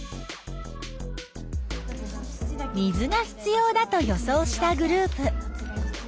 水が必要だと予想したグループ。